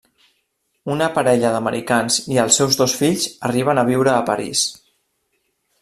Una parella d'americans i els seus dos fills arriben a viure a París.